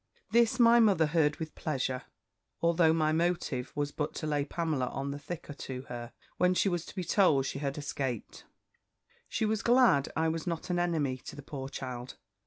"This my mother heard with pleasure: although my motive was but to lay Pamela on the thicker to her, when she was to be told she had escaped. "She was glad I was not an enemy to the poor child.